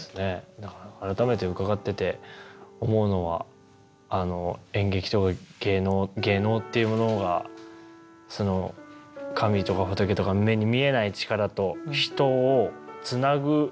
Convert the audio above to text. だから改めて伺ってて思うのは演劇と芸能芸能っていうものが神とか仏とか目に見えない力と人をつなぐものなんですね